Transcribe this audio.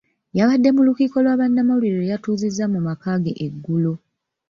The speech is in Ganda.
Yabadde mu lukiiko lwa bannamawulire lwe yatuuzizza mu maka ge eggulo.